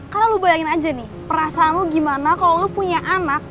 karena lu bayangin aja nih perasaan lu gimana kalo lu punya anak